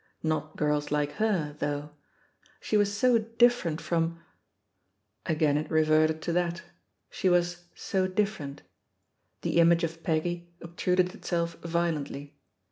Not girls like her, though! die was so different from Again it reverted to that — ^she was "so different"! The image of Peggy obtruded itself violently.